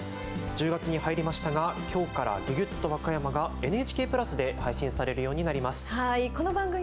１０月に入りましたが今日から「ギュギュっと和歌山」がＮＨＫプラスで配信されるようになります。